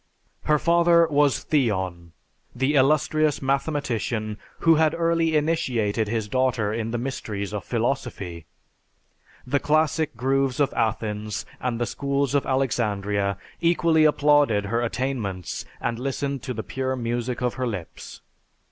Her father was Theon, the illustrious mathematician who had early initiated his daughter in the mysteries of philosophy. The classic groves of Athens and the schools of Alexandria equally applauded her attainments and listened to the pure music of her lips.